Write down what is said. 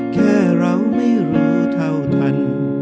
แค่เราไม่รู้เท่าทัน